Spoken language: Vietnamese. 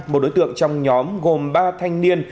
một đối tượng trong nhóm gồm ba thanh niên